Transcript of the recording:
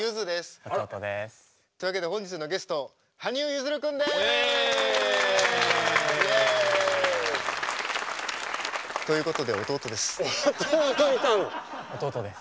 というわけで本日のゲスト羽生結弦君です！ということで弟です。